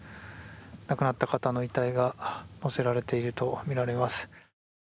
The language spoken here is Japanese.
亡くなった方の遺体が載せられているとみられます。